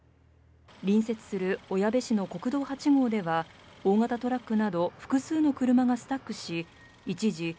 隣接する小矢部市の国道８号では大型トラックなど複数の車がスタックし一時